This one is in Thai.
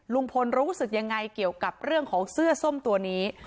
ลุงพลรู้สึกยังไงเกี่ยวกับเรื่องของเสื้อส้มตัวนี้